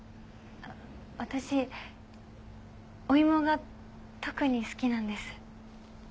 私お芋が特に好きなんです。